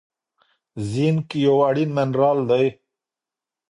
زینک یو اړین منرال دی.